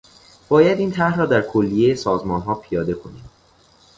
باید این طرح را در کلیهٔ سازمانها پیاده کنیم.